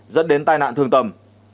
dẫn đến tai nạn thương tầm